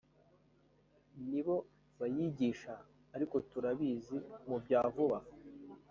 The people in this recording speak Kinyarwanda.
ni bo bayigisha ariko turabizi mu byavuha aha